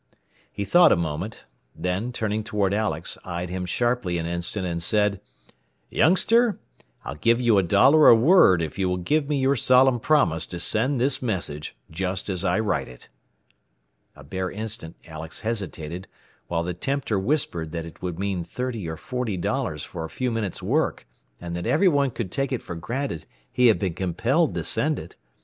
He thought a moment, then, turning toward Alex, eyed him sharply an instant, and said: "Youngster, I'll give you a dollar a word if you will give me your solemn promise to send this message just as I write it." A bare instant Alex hesitated, while the tempter whispered that it would mean thirty or forty dollars for a few minutes' work, and that everyone would take it for granted he had been compelled to send it.